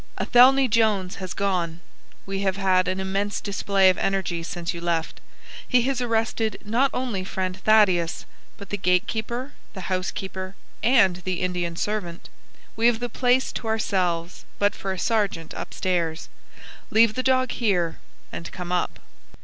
Atheney Jones has gone. We have had an immense display of energy since you left. He has arrested not only friend Thaddeus, but the gatekeeper, the housekeeper, and the Indian servant. We have the place to ourselves, but for a sergeant upstairs. Leave the dog here, and come up."